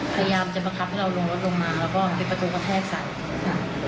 พยายามจะประคับให้เรารวดลงมาแล้วก็ปิดประตูกระแทกสัก